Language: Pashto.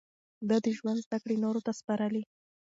ده د ژوند زده کړې نورو ته سپارلې.